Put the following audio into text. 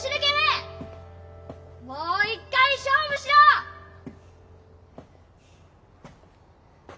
もう１回勝負しろッ！